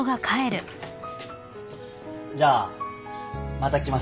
じゃあまた来ます。